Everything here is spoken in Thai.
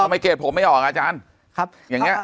ทำไมเกรดผมไม่ออกอาจารย์อย่างนี้